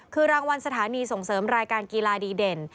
คือรางวัลสถานีส่งเสริมรายการกีฬาดีเด่น